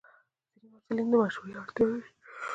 ځینې محصلین د مشورې اړتیا لري.